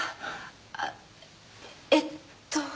あっえっと？